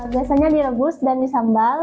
biasanya direbus dan disambal